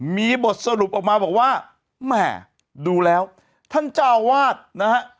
มีบทสรุปออกมาบอกว่าแหม่ดูแล้วท่านเจ้าวาดนะฮะ